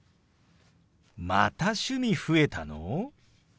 また趣味増えたの！？